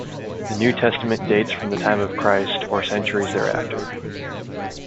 The New Testament dates from the time of Christ, or centuries thereafter.